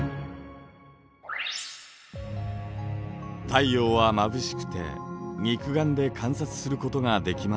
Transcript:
太陽はまぶしくて肉眼で観察することができません。